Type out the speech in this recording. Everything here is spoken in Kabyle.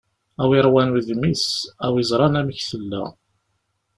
A w'iṛwan udem-is, a w'iẓran amek tella!